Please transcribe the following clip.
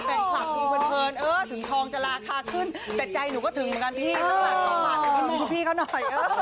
แฟนคลับดูเพลินถึงทองจะราคาขึ้นแต่ใจหนูก็ถึงเหมือนกันพี่